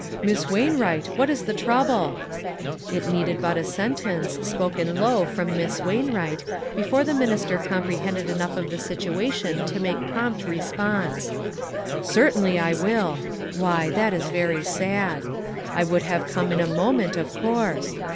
" Miss Wainwright, what is the trouble ?" It needed but a sentence, spoken low, from Miss Wainwright, before the minister com prehended enough of the situation to make prompt response. "Certainly, I will. Why, that is very sad. I would have come in a moment, of course.